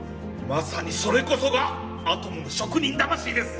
まさにそれこそがアトムの職人魂です！